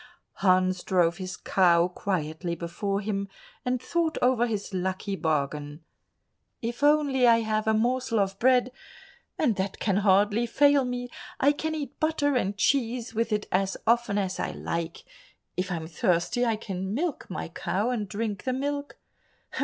Hans drove his cow quietly before him, and thought over his lucky bargain. "If only I have a morsel of bread—and that can hardly fail me—I can eat butter and cheese with it as often as I like; if I am thirsty, I can milk my cow and drink the milk.